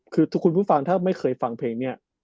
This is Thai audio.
คือคุณผู้ฟังถ้าไม่เคยฟังเพลงนี้